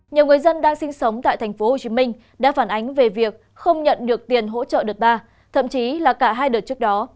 nhiều người dân đang sinh sống tại tp hcm đã phản ánh về việc không nhận được tiền hỗ trợ đợt ba thậm chí là cả hai đợt trước đó